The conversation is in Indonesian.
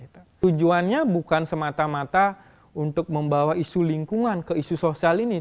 tujuannya bukan semata mata untuk membawa isu lingkungan ke isu sosial ini